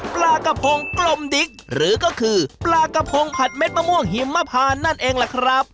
ปลากระพงกลมดิ๊กหรือก็คือปลากระพงผัดเด็ดมะม่วงหิมมะพานนั่นเองล่ะครับ